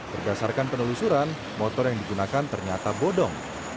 berdasarkan penelusuran motor yang digunakan ternyata bodong